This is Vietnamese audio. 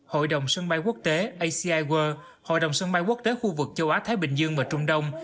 hội đồng sân bay quốc tế aci world hội đồng sân bay quốc tế khu vực châu á thái bình dương và trung đông